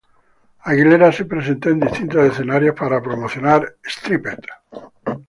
Aguilera se presentó en distintos escenarios para promocionar "Stripped".